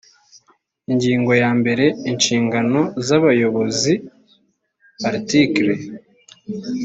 ingingo ya mbere inshingano z abayobozi article